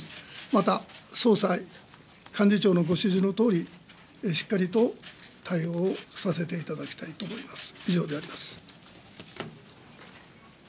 また、総裁、幹事長のご指示のとおり、しっかりと対応をさせていただきたいと思います。